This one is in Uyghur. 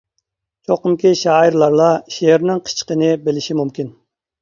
چوقۇمكى، شائىرلارلا شېئىرنىڭ قىچىقىنى بىلىشى مۇمكىن.